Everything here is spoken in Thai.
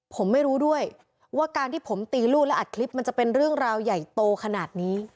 ผมไม่รู้ด้วยว่าการที่ผมตีลูกและอัดคลิปมันจะเป็นเรื่องราวใหญ่โตขนาดนี้